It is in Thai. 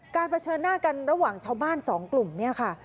เผชิญหน้ากันระหว่างชาวบ้านสองกลุ่มเนี่ยค่ะ